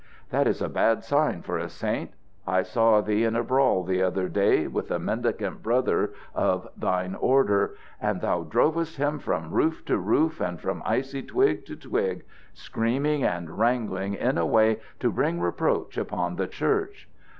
That is a bad sign for a saint. I saw thee in a brawl the other day with a mendicant brother of thine order, and thou drovest him from roof to roof and from icy twig to twig, screaming and wrangling in a way to bring reproach upon the Church.